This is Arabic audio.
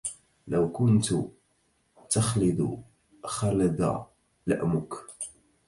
لو كنت تخلد خلد لؤمك